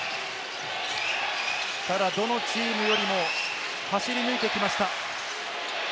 ただどのチームよりも走り抜いてきました。